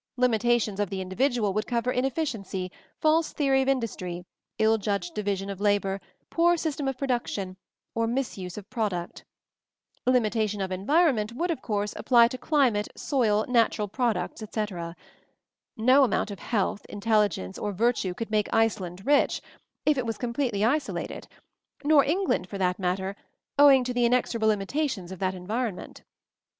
Limitations of the in dividual would cover inefficiency, false theory of industry, ill judged division of labor, poor system of production, or misuse of product. Limitation of environment MOVING THE MOUNTAIN 125 would, of course, apply to climate, soil, nat ural products, etc. No amount of health, intelligence or virtue could make Iceland rich — if it was completely isolated; nor England, for that matter, owing to the in exorable limitations of that environment.